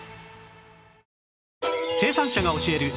生産者が教える